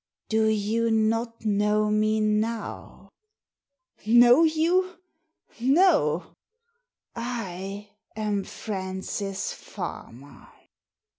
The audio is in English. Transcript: " Do you not know me now ?" "Know you? No!" " I am Francis Farmer.'